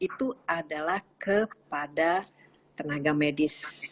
itu adalah kepada tenaga medis